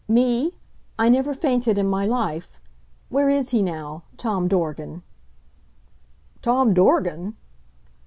"Me? I never fainted in my life... Where is he now Tom Dorgan?" "Tom Dorgan!"